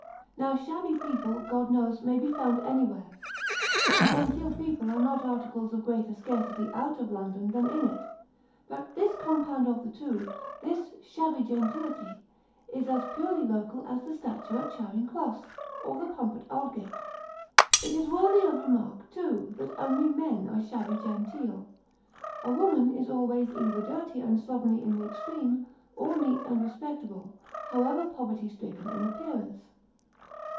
Now, shabby people, God knows, may be found anywhere, and genteel people are not articles of greater scarcity out of London than in it; but this compound of the two this shabby gentility is as purely local as the statue at Charing Cross, or the pump at Aldgate. It is worthy of remark, too, that only men are shabby genteel; a woman is always either dirty and slovenly in the extreme, or neat and respectable, however poverty stricken in appearance.